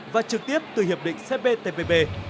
và trực tiếp từ hiệp định cptpp